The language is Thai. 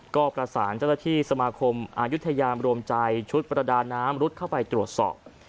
ก็ประสานเจ้าหน้าที่สมาคมอายุทยามรวมใจชุดประดาน้ำรุดเข้าไปตรวจสอบ